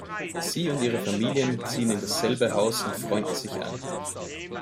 Sie und ihre Familien ziehen in dasselbe Haus und freunden sich an.